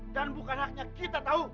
dan bukan haknya kita tahu